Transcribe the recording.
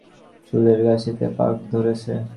চুলের গাছিতে পাক ধরে।